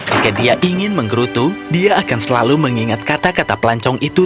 jika dia ingin menggerutu dia akan selalu mengingat kata kata pelancong itu